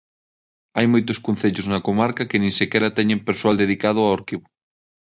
Hai moitos concellos na comarca que nin sequera teñen persoal dedicado ao arquivo.